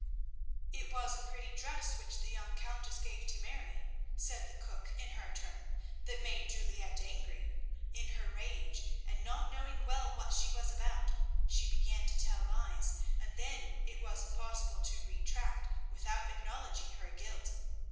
"'It was a pretty dress which the young Countess gave to Mary,' said the cook in her turn, 'that made Juliette angry. In her rage, and not knowing well what she was about, she began to tell lies, and then it was impossible to retract without acknowledging her guilt.